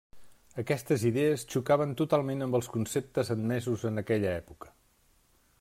Aquestes idees xocaven totalment amb els conceptes admesos en aquella època.